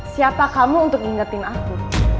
siapa kamu untuk ngingetin aku